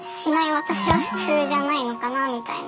私は普通じゃないのかなみたいな。